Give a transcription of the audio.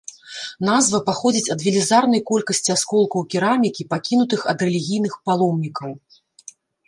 Назва паходзіць ад велізарнай колькасці асколкаў керамікі, пакінутых ад рэлігійных паломнікаў.